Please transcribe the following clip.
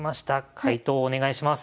解答お願いします。